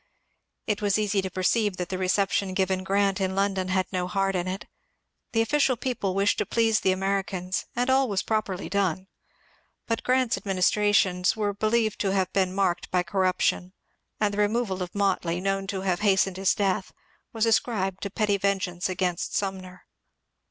It was easy to perceive that the reception given Grant in London had no heart in it. The official people wished to please the Americans, and all was properly done. But Grant's administrations were believed to have been marked by cor ruption, and the removal of Motley, known to have hastened his death, was ascribed to petty vengeance against Sumner.